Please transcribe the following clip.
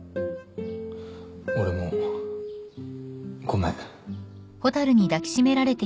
俺もごめん。